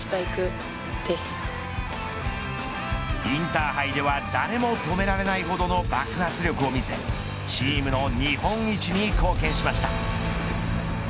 インターハイでは誰も止められないほどの爆発力を見せチームの日本一に貢献しました。